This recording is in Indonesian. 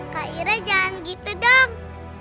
kak ira jangan gitu dong